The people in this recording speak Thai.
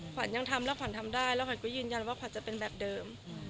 ขวัญยังทำแล้วขวัญทำได้แล้วขวัญก็ยืนยันว่าขวัญจะเป็นแบบเดิม